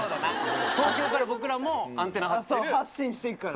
東京から僕らもアンテナ張っ発信していくから。